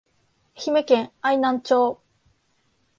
愛媛県愛南町